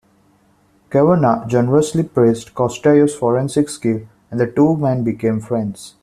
Kavanagh generously praised Costello's forensic skill, and the two men became friends.